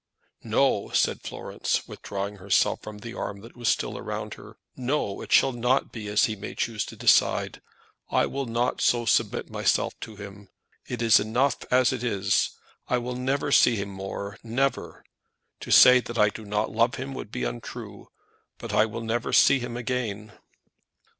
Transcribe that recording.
"No," said Florence, withdrawing herself from the arm that was still around her. "No; it shall not be as he may choose to decide. I will not so submit myself to him. It is enough as it is. I will never see him more; never. To say that I do not love him would be untrue, but I will never see him again."